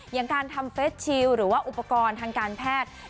อย่างการทำเฟสชิลหรือว่าอุปกรณ์ทางการแพทย์